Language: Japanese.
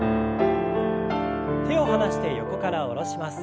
手を離して横から下ろします。